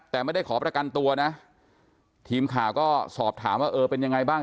แต่ไม่ได้ขอประกันตัวนะทีมข่าวก็สอบถามว่าเออเป็นยังไงบ้าง